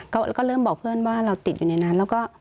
เราก็เริ่มบอกเพื่อนว่าเราติดอยู่ในนั้น